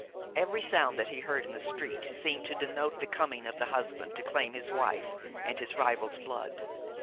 Every sound that he heard in the street seemed to denote the coming of the husband to claim his wife and his rival's blood.